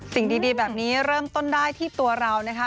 สิ่งดีแบบนี้เริ่มต้นได้ที่ตัวเรานะคะ